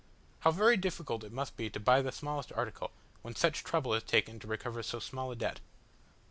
How very difficult it must be to buy the smallest article, when such trouble is taken to recover so small a debt.